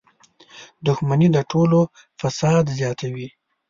• دښمني د ټولنې فساد زیاتوي.